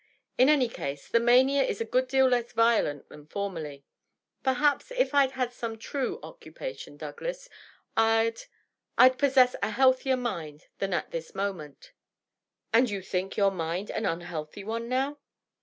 In any case, the mania is a good deal less violent than formerly. Perhaps if I'd had some true occupation, Douglas, I'd .• I'd possess a healthier mind than at this moment." "And you think your mind an unhealthy one now?"